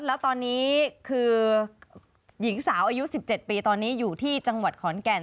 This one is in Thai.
แล้วตอนนี้คือหญิงสาวอายุ๑๗ปีตอนนี้อยู่ที่จังหวัดขอนแก่น